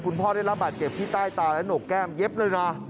พ่อได้รับบาดเจ็บที่ใต้ตาและหนกแก้มเย็บเลยนะ